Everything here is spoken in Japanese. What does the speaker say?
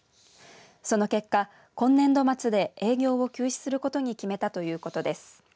その結果、今年度末で営業を休止することに決めたということです。